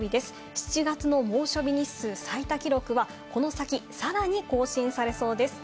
７月の猛暑日の日数最多記録はこの先さらに更新されそうです。